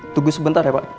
tunggu sebentar ya pak